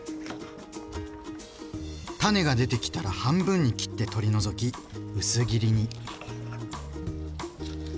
種が出てきたら半分に切って取り除き薄切りに。